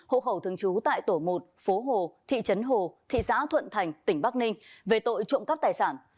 hộ khẩu thường trú tại tổ một phố hồ thị trấn hồ thị xã thuận thành tỉnh bắc ninh về tội trộm cắp tài sản